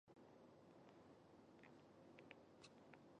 މަަސައްކަތު